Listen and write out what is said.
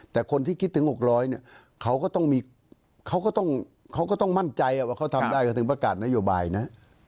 แต่คนที่คิดถึง๖๐๐เนี่ยเขาก็ต้องมั่นใจว่าเขาทำได้ก็ถึงประกาศนโยบายนะ